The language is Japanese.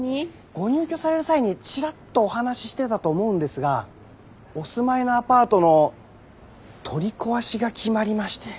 ご入居される際にチラッとお話ししてたと思うんですがお住まいのアパートの取り壊しが決まりまして。